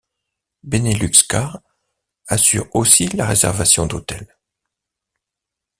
Beneluxcar assure aussi la réservation d'hôtels.